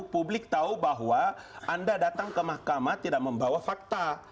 publik tahu bahwa anda datang ke mahkamah tidak membawa fakta